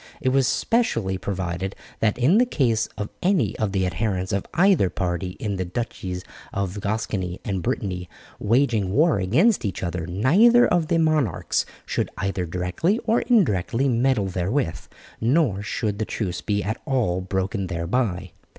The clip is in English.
It was specially provided that in the case of any of the adherents of either party in the Duchies of Gascony and Brittany waging war against each other, neither of the monarchs should either directly or indirectly meddle therewith, nor should the truce be at all broken thereby.